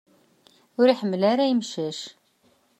Ur iḥemmel ara imcac.